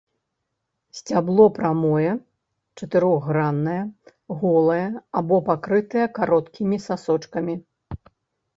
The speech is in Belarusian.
Сцябло прамое, чатырохграннае, голае або пакрытае кароткімі сасочкамі.